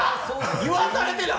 言わされてない？